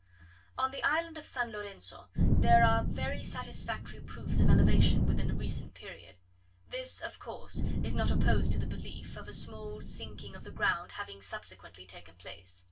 On the island of San Lorenzo, there are very satisfactory proofs of elevation within the recent period; this of course is not opposed to the belief, of a small sinking of the ground having subsequently taken place.